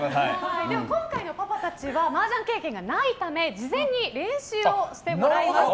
今回のパパたちはマージャン経験がないため事前に練習をしてもらいました。